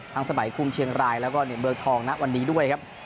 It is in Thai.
ทั้งสมัยคุมเชียงรายแล้วก็เบอร์ทองนะวันนี้ด้วยครับ